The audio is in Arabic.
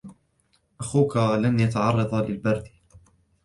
أَخُوكَ لَنْ يَتَعَرَّضَ لِلْبَرْدِ.